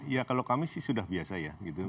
ya kalau kami sih sudah biasa ya